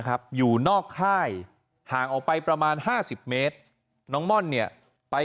ครับอยู่นอกค่ายห่างออกไปประมาณ๕๐เมตรน้องม่อนเนี่ยไป